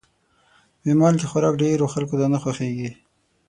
بې مالګې خوراک ډېرو خلکو ته نه خوښېږي.